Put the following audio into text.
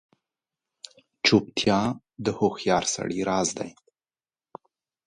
چوپتیا، د هوښیار سړي راز دی.